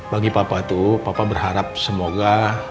bagi papa itu papa berharap semoga